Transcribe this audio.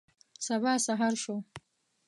سبا سهار شو.